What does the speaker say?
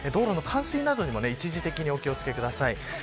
道路の冠水などにも一時的にお気を付けください。